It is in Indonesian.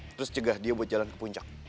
terus cegah dia buat jalan ke puncak